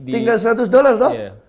tinggal seratus dolar tau